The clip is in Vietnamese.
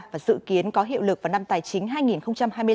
và dự kiến có hiệu lực vào năm tài chính hai nghìn hai mươi năm